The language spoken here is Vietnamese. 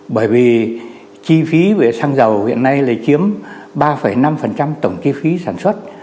bởi vì chi phí về xăng dầu hiện nay là chiếm ba năm tổng chi phí sản xuất